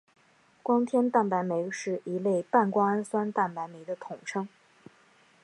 胱天蛋白酶是一类半胱氨酸蛋白酶的统称。